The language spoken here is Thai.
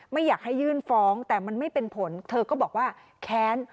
ไม่อยากให้ยื่นฟ้องแต่มันไม่เป็นผลเธอก็บอกว่าแค้น